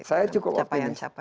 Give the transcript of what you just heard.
saya cukup optimis